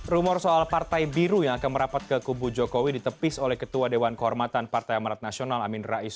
rumor soal partai biru yang akan merapat ke kubu jokowi ditepis oleh ketua dewan kehormatan partai amarat nasional amin rais